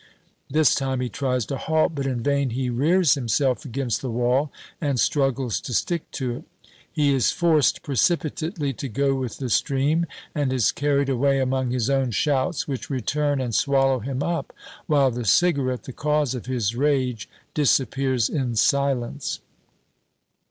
This time he tries to halt, but in vain he rears himself against the wall and struggles to stick to it. He is forced precipitately to go with the stream and is carried away among his own shouts, which return and swallow him up, while the cigarette, the cause of his rage, disappears in silence.